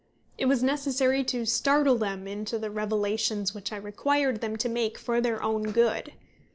It was necessary to startle them into the revelations which I required them to make for their own good.